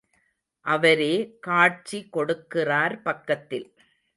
அவரே காட்சி கொடுக்கிறார் பக்கத்தில்.